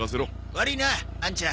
悪いなあんちゃん。